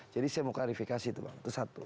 jadi saya mau kalifikasi itu bang itu satu